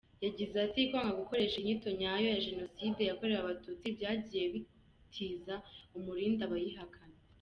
Yagize ati “Kwanga gukoresha inyito nyayo ya Jenoside yakorewe Abatutsi byagiye bitiza umurindi abayihakana.